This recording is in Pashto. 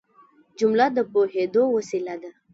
جمله د پوهېدو وسیله ده.